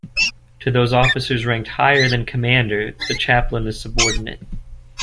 To those officers ranked higher than commander, the chaplain is subordinate.